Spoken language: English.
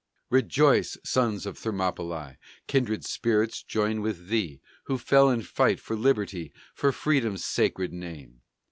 Rejoice! sons of Thermopylæ! Kindred spirits join with thee, Who fell in fight for Liberty, For Freedom's sacred name.